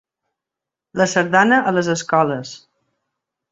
La sardana a les escoles.